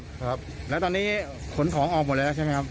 ครับแล้วตอนนี้ขนของออกหมดแล้วใช่ไหมครับ